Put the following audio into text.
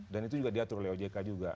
dan itu juga diatur oleh ojk juga